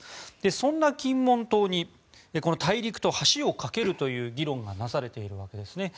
そんな金門島にこの大陸と橋を架けるという議論がなされているわけです。